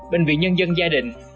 bệnh viện nhân dân gia đình